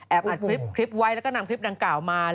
อัดคลิปไว้แล้วก็นำคลิปดังกล่าวมา